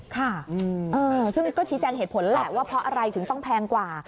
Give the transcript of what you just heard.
ค่ะซึ่งก็ชี้แจงเหตุผลแหละว่าเพราะอะไรถึงต้องแพงกว่า